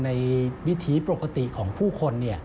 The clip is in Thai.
วิถีปกติของผู้คน